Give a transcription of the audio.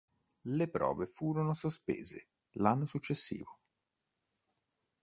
Le prove furono sospese l'anno successivo.